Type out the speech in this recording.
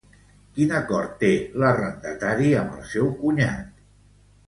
Quin acord té l'arrendatari amb el seu cunyat?